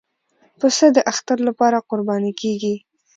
پسه د اختر لپاره قرباني کېږي.